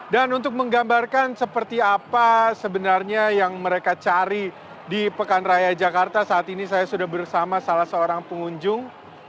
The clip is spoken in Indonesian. untuk menggambarkan seperti apa sebenarnya yang mereka cari di pekan raya jakarta saat ini saya sudah bersama salah seorang pengunjung